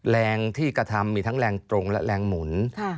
แรงที่กระทำมีทั้งแรงตรงและแรงหมุน